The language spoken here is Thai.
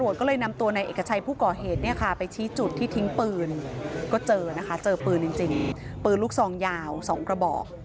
เจอนะคะเจอปืนจริงปืนลูกทรองยาว๒กระบอก